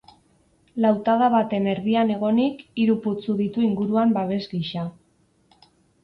Lautada baten erdian egonik hiru putzu ditu inguruan babes gisa.